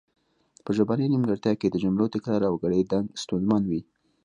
په ژبنۍ نیمګړتیا کې د جملو تکرار او ګړیدنګ ستونزمن وي